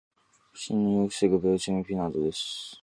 侵入を防ぐベウチェミン・ピナードです。